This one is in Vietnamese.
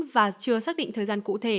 và chưa xác định thời gian cụ thể